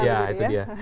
ya itu dia